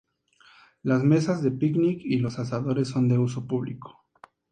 Las mesas de picnic y los asadores son de uso público.